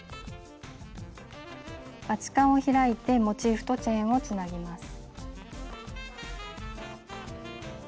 バチカンを開いてモチーフとチェーンをつなぎます。